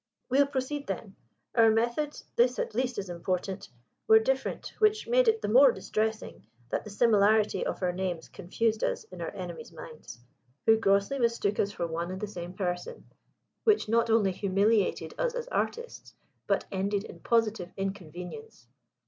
"We'll proceed, then. Our methods this, at least, is important were different: which made it the more distressing that the similarity of our names confused us in our enemies' minds, who grossly mistook us for one and the same person: which not only humiliated us as artists but ended in positive inconvenience.